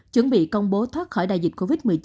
chuẩn bị công bố thoát khỏi đại dịch covid một mươi chín